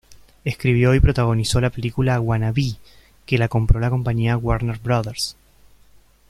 Escribió y protagonizó la película "Wannabe", que la compró la compañía Warner Brothers.